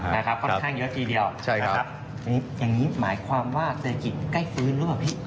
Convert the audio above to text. ค่อนข้างเยอะทีเดียวใช่นะครับอันนี้อย่างงี้หมายความว่าเศรษฐกิจใกล้ฟื้นหรือเปล่าพี่